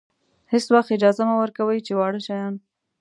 هېڅ وخت اجازه مه ورکوئ چې واړه شیان.